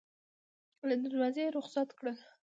له دروازې یې رخصت کړل.